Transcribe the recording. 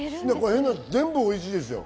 全部おいしいです。